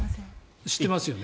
知ってますよね？